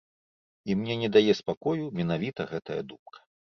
І мне не дае спакою менавіта гэтая думка.